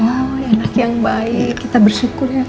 enak yang baik kita bersyukur ya pak